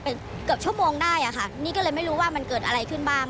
เป็นเกือบชั่วโมงได้อะค่ะนี่ก็เลยไม่รู้ว่ามันเกิดอะไรขึ้นบ้าง